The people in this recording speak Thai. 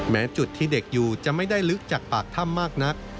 จุดที่เด็กอยู่จะไม่ได้ลึกจากปากถ้ำมากนัก